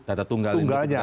data tunggal tunggalnya